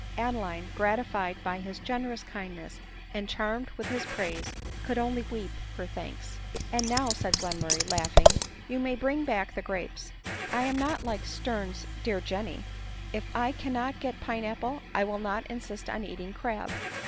Adeline, gratified by his generous kindness, and charm ed with his praise, could only weep her thanks. " And now," said Glenmurray, laughing, " you may bring back the grapes — I am not like Sterne's dear Jenny ; if I can not get pine apple, I will not insist on eating crab."